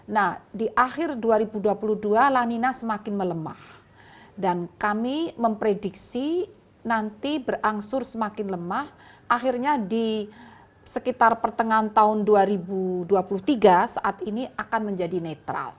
nah di akhir dua ribu dua puluh dua lanina semakin melemah dan kami memprediksi nanti berangsur semakin lemah akhirnya di sekitar pertengahan tahun dua ribu dua puluh tiga saat ini akan menjadi netral